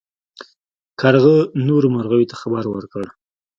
کارغه نورو مرغیو ته خبر ورکړ.